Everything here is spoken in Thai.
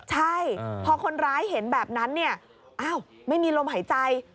ใช่พอคนร้ายเห็นแบบนั้นไม่มีลมหายใจ